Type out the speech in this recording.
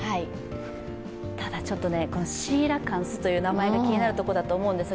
ただシーラカンスという名前が気になるところなんですが。